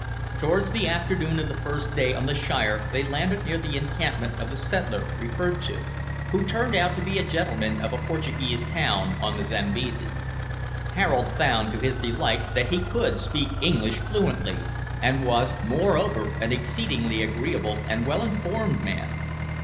Towards the afternoon of the first day on the Shire, they landed near the encampment of the settler referred to, who turned out to be a gentleman of a Portuguese town on the Zambesi. Harold found, to his delight, that he could speak English fluently, and was, moreover, an exceedingly agreeable and well informed man.